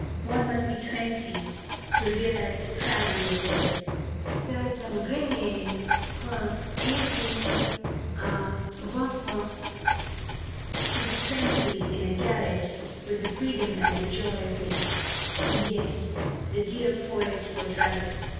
One must be twenty to realize the tragedy of it. Dans un grenier qu'on est bien a vingt ans! To be twenty, in a garret, with the freedom and the joy of it! Yes; the dear poet was right.